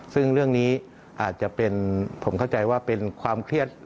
ซึ่งเรื่องนี้อาจจะเป็นผมเข้าใจว่าเป็นความเครียด